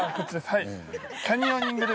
はい。